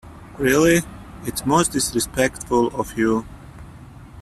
Really, it’s most disrespectful of you!